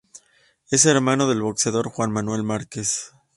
Es hermano del boxeador Juan Manuel Márquez.